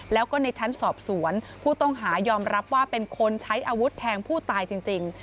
แล้วก็ในชั้นสอบสวนผู้ต้องหายอมรับว่าเป็นคนใช้อาวุธแทงผู้ตายจริง